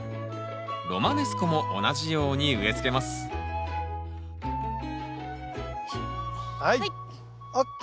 ロマネスコも同じように植えつけますはい！ＯＫ！